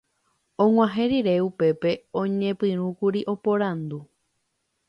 Og̃uahẽ rire upépe oñepyrũkuri oporandu